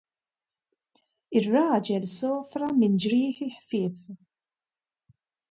Ir-raġel sofra minn ġrieħi ħfief.